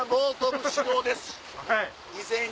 はい。